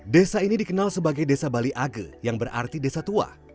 desa ini dikenal sebagai desa bali age yang berarti desa tua